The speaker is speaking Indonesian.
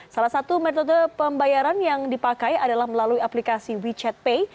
salah satu metode pembayaran yang dipakai adalah melalui aplikasi wechat pay